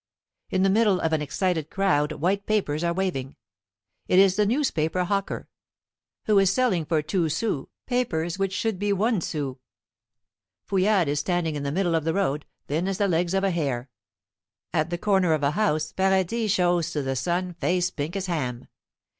In the middle of an excited crowd white papers are waving. It is the newspaper hawker, who is selling for two sous papers which should be one sou. Fouillade is standing in the middle of the road, thin as the legs of a hare. At the corner of a house Paradis shows to the sun face pink as ham.